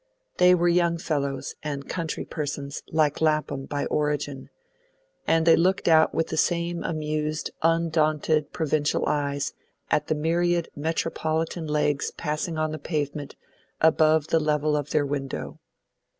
They were young fellows, and country persons, like Lapham, by origin, and they looked out with the same amused, undaunted provincial eyes at the myriad metropolitan legs passing on the pavement above the level of their window.